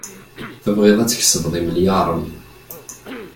Tebɣiḍ ad tkesbeḍ imelyaṛen.